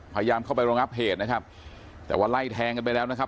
พยายามเข้าไปรองับเหตุนะครับแต่ว่าไล่แทงกันไปแล้วนะครับ